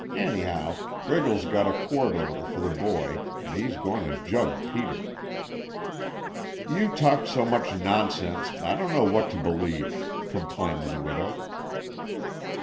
Anyhow, Briggles got a court order for the boy and he's goin' to jug Peter." "You talk so much nonsense, I don't know what to believe," complained the widow.